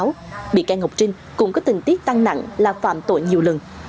viện kiểm sát nhân dân tp hcm xác định bị can ngọc trinh cũng có tình tiết tăng nặng là phạm tội nhiều lần